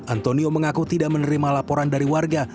antonio mengaku tidak menerima laporan dari warga